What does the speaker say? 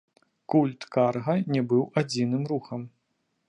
Культ карга не быў адзіным рухам.